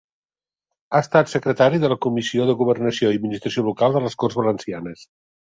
Ha estat secretari de la Comissió de Governació i Administració Local de les Corts Valencianes.